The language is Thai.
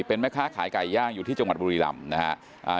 เป็นแม่ค้าขายไก่ย่างอยู่ที่จังหวัดบุรีรำนะฮะ